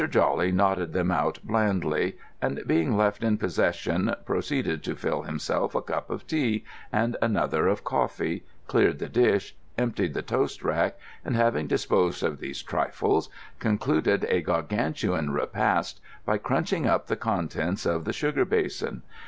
Jawley nodded them out blandly; and being left in possession, proceeded to fill himself a cup of tea, and another of coffee, cleared the dish, emptied the toast rack, and having disposed of these trifles, concluded a Gargantuan repast by crunching up the contents of the sugar basin.